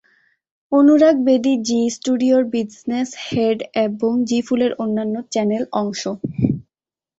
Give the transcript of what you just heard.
অনুরাগ Bedi Zee স্টুডিওর business head এবং Zee ফুলের অন্যান্য চ্যানেল অংশ।